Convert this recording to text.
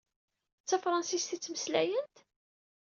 D tafṛansist i ad ttmeslayent?